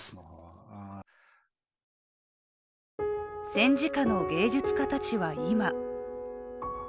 戦時下の芸術家たちは今。